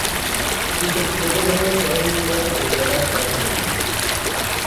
তিব্বতী বৌদ্ধ ধর্মের পরে হিন্দুধর্ম এই জেলার প্রধান ধর্ম।